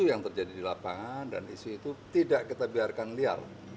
yang terjadi di lapangan dan isu itu tidak kita biarkan liar